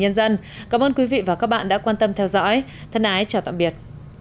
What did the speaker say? nhân dân cảm ơn quý vị và các bạn đã quan tâm theo dõi thân ái chào tạm biệt